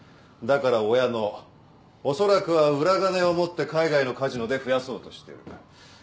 だから親のおそらくは裏金を持って海外のカジノで増やそうとしてる。